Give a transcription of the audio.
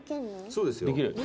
そうですよ。